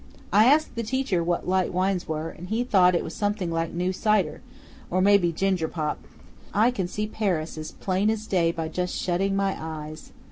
I asked the teacher what light wines were, and he thought it was something like new cider, or maybe ginger pop. I can see Paris as plain as day by just shutting my eyes.